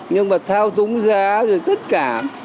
nhưng mà thao túng giá rồi tất cả